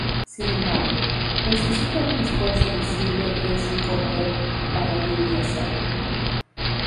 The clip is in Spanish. Sin embargo, necesita un esfuerzo visible y es incómodo para Lily hacerlo.